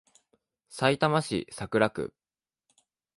さいたま市桜区